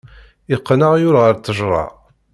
Iqqen aɣyul ɣer ttejra.